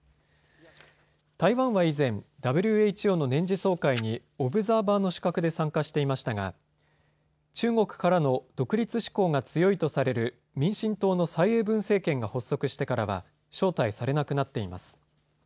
台湾は以前、ＷＨＯの年次総会にオブザーバーの資格で参加していましたが中国からの独立志向が強いとされる民進党の蔡英文政権が発足してからは招待されなくなっています。